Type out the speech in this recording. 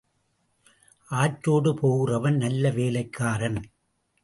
ஆற்றோடு போகிறவன் நல்ல வேலைக்காரன்.